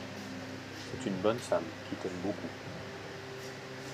C’est une bonne femme qui t’aime beaucoup.